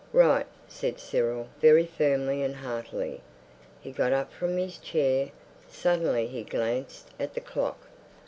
"Right," said Cyril, very firmly and heartily. He got up from his chair; suddenly he glanced at the clock.